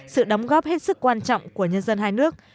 sự đóng góp hết sức quan trọng của nhân dân hai nước